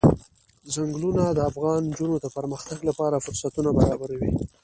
چنګلونه د افغان نجونو د پرمختګ لپاره فرصتونه برابروي.